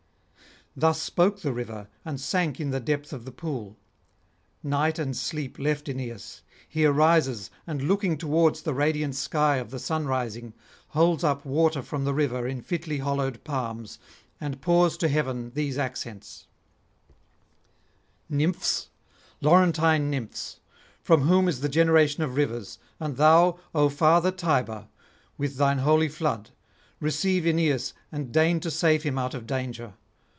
Thus spoke the River, and sank in the depth of the pool: night and sleep left Aeneas. He arises, and, looking towards the radiant sky of the sunrising, holds up water from the river in fitly hollowed palms, and pours to heaven these accents: 'Nymphs, Laurentine Nymphs, from whom is the generation of rivers, and thou, O father Tiber, with thine holy flood, receive Aeneas and deign to save him out of danger.